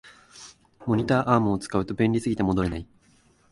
モニターアームを使うと便利すぎて戻れない